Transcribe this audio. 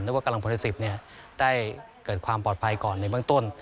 ว่ากำลังพลใน๑๐ได้เกิดความปลอดภัยก่อนในเบื้องต้น